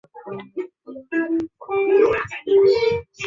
随从不空大师受两部密宗大法及传法阿阇黎位。